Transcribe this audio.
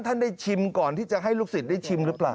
ท่านได้ชิมก่อนที่จะให้ลูกศิษย์ได้ชิมหรือเปล่า